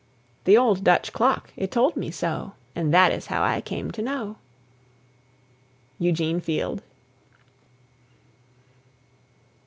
(The old Dutch clock it told me so, And that is how I came to know.) EUGENE FIELD.